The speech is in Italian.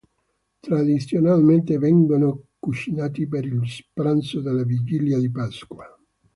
Tradizionalmente vengono cucinati per il pranzo della vigilia di Pasqua.